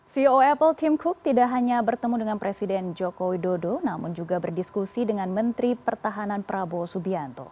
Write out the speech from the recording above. ceo apple team cook tidak hanya bertemu dengan presiden joko widodo namun juga berdiskusi dengan menteri pertahanan prabowo subianto